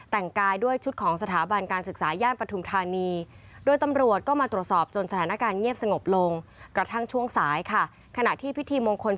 แต่งกายด้วยชุดของสถาบันการศึกษาย่านประถุมธานี